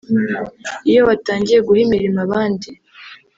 iyo watangiye guha imirimo abandi